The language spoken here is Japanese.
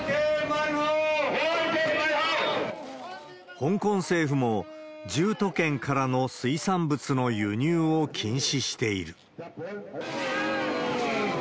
香港政府も、１０都県からの水産物の輸入を禁止している。